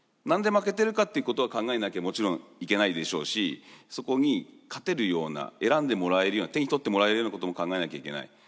何で負けてるかっていうことは考えなきゃもちろんいけないでしょうしそこに勝てるような選んでもらえるような手に取ってもらえるようなことも考えなきゃいけない。